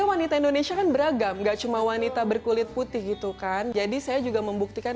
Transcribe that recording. wanita indonesia kan beragam enggak cuma wanita berkulit putih gitu kan jadi saya juga membuktikan